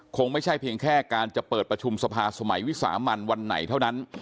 คงไม่ใช่เพียงแค่การจะเปิดประชุมสภาสมัยวิสามันวันไหนเท่านั้น